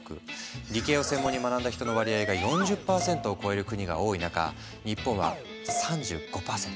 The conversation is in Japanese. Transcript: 理系を専門に学んだ人の割合が４０％を超える国が多い中日本は３５％。